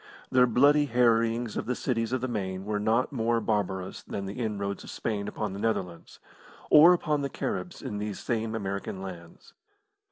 Their bloody harryings of the cities of the Main were not more barbarous than the inroads of Spain upon the Netherlands or upon the Caribs in these same American lands.